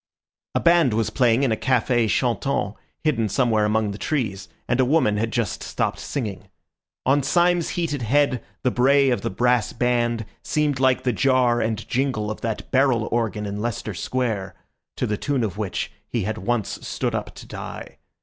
A band was playing in a café chantant hidden somewhere among the trees, and a woman had just stopped singing. On Syme's heated head the bray of the brass band seemed like the jar and jingle of that barrel organ in Leicester Square, to the tune of which he had once stood up to die.